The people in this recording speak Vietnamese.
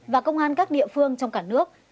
và công an các địa phương trong cả nước